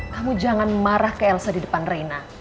kamu jangan marah ke elsa di depan reina